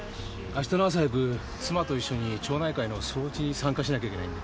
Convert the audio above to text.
明日の朝早く妻と一緒に町内会の掃除に参加しなきゃいけないんで。